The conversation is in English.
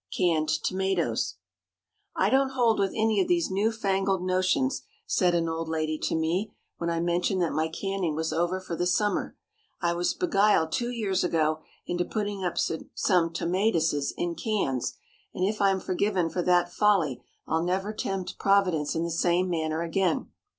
CANNED TOMATOES. ✠ "I don't hold with any of these new fangled notions," said an old lady to me, when I mentioned that my canning was over for the summer. "I was beguiled, two years ago, into putting up some tomaytesses in cans, and if I'm forgiven for that folly I'll never tempt Providence in the same manner again."